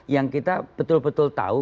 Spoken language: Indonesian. yang kita betul betul tahu